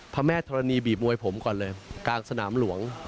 พระแม่ธรณีบีบมวยผมก่อนเลยกลางสนามหลวง